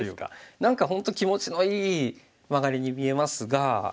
何か本当気持ちのいいマガリに見えますが。